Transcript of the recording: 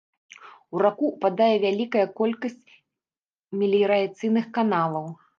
У раку ўпадае вялікая колькасць меліярацыйных каналаў.